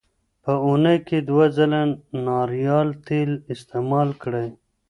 په اونۍ کې دوه ځله ناریال تېل استعمال کړئ.